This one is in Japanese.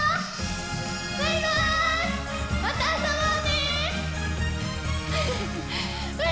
またあそぼうね！